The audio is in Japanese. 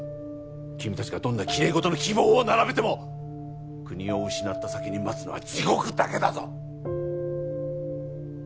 君達がどんなきれいごとの希望を並べても国を失った先に待つのは地獄だけだぞ